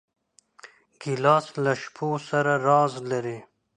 ګیلاس له شپو سره راز لري.